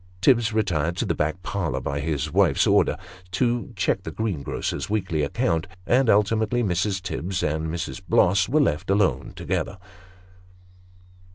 Tibbs retired to the back parlour by his wife's orders, to check the greengrocer's weekly account ; and ultimately Mrs. Tibbs and Mrs. Bloss were left alone together.